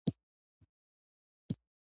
سپين ږيرو به بد بد ورته وکتل.